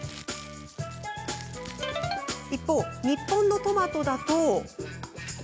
一方、日本のトマトだと。